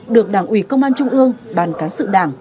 được đảng ủy công an trung ương ban cán sự đảng